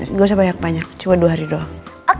nggak usah banyak banyak cuma dua hari doang